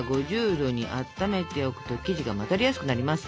℃にあっためておくと生地が混ざりやすくなります。